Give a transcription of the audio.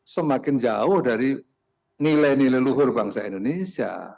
semakin jauh dari nilai nilai luhur bangsa indonesia